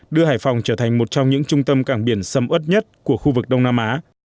đưa hải phòng trở thành một trong những trung tâm cảng biển sầm ớt nhất của khu vực đông nam á